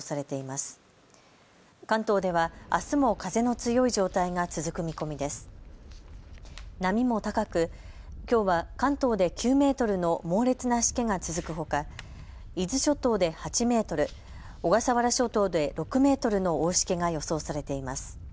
波も高く、きょうは関東で９メートルの猛烈なしけが続くほか、伊豆諸島で８メートル、小笠原諸島で６メートルの大しけが予想されています。